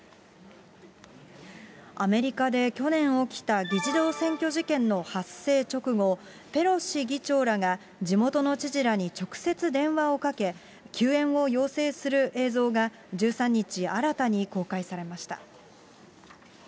アメリカで去年起きた議事堂占拠事件の発生直後、ペロシ議長らが、地元の知事らに直接電話をかけ、救援を要請する映像が１３日、新たに公開されました。